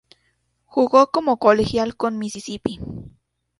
Jugó como colegial con Mississippi.